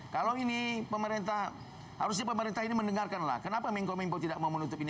kalau ini pemerintah harusnya pemerintah ini mendengarkanlah kenapa mingko mingpo tidak mau menutup ini